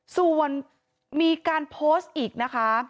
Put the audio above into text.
ส่วนมีการโพสต์อีกนะคะ